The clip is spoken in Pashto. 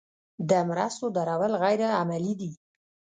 د مرستو درول غیر عملي دي.